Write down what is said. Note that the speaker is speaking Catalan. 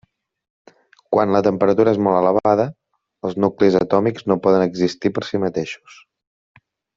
Quan la temperatura és molt elevada, els nuclis atòmics no poden existir per si mateixos.